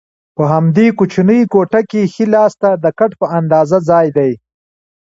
په همدې کوچنۍ کوټه کې ښي لاسته د کټ په اندازه ځای دی.